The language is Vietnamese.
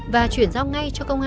và chuyển giao ngay cho công an